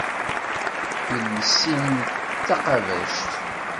Iles-im d taqabact.